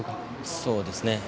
そうですね。